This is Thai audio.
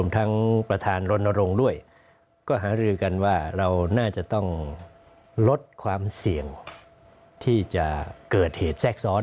ประธานรณรงค์ด้วยก็หารือกันว่าเราน่าจะต้องลดความเสี่ยงที่จะเกิดเหตุแทรกซ้อน